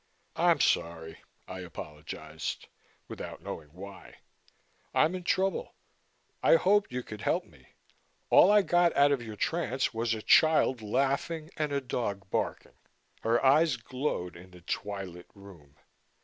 "I'm sorry," I apologized, without knowing why. "I'm in trouble. I hoped you could help me. All I got out of your trance was a child laughing and a dog barking." Her eyes glowed in the twilit room.